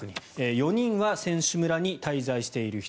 ４人は選手村に滞在している人